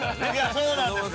◆そうなんですよ。